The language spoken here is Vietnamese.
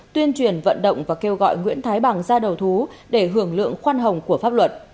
tuyên truyền vận động và kêu gọi nguyễn thái bằng ra đầu thú để hưởng lượng khoan hồng của pháp luật